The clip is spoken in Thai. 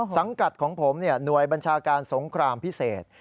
สังกัดของผมหน่วยบัญชาการสงครามพิเศษ